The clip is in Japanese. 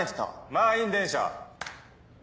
満員電車。